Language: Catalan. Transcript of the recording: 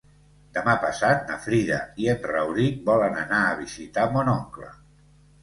Demà passat na Frida i en Rauric volen anar a visitar mon oncle.